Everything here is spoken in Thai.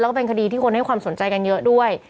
แล้วก็เป็นคดีที่คนให้ความสนใจกันเยอะด้วย